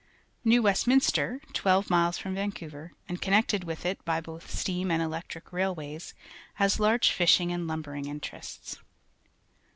New^Westminstcr, twelve miles from Van couver and connected with it bj' both steam and electric railways, has large fishing and lumbering interests.